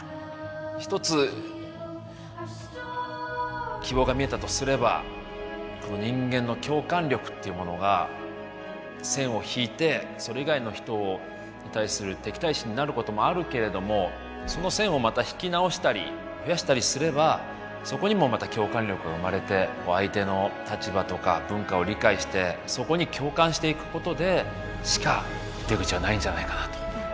一つ希望が見えたとすればこの人間の共感力っていうものが線を引いてそれ以外の人に対する敵対心になることもあるけれどもその線をまた引き直したり増やしたりすればそこにもまた共感力が生まれて相手の立場とか文化を理解してそこに共感していくことでしか出口はないんじゃないかなと。